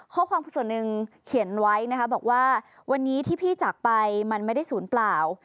ข้อความส่วนหนึ่งเขียนไว้นะคะบอกว่าวันนี้ที่พี่จากไปมันไม่ได้ศูนย์เปล่า